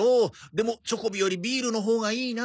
でもチョコビよりビールのほうがいいな。